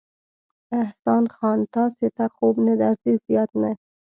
احسان خان، تاسې ته خوب نه درځي؟ زیات نه.